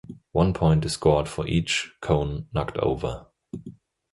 One point is scored for each cone knocked over.